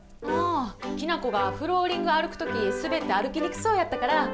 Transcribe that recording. あぁ、キナコがフローリング歩くとき、滑って歩きにくそうやったから。